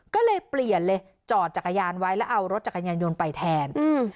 ก็เลยเปลี่ยนเลยจอดจักรยานไว้แล้วเอารถจักรยานยนต์ไปแทนอืม